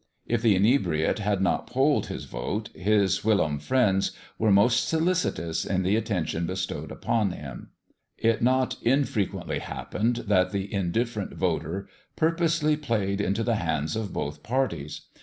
If the inebriate had not yet polled his vote, his whilom friends were most solicitous in the attention bestowed upon him. It not infrequently happened that the indifferent voter purposely played into the hands of both parties.